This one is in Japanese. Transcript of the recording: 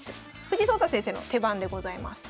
藤井聡太先生の手番でございます。